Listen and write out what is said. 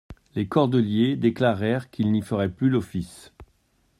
Les cordeliers déclarèrent qu'ils n'y feraient plus l'office.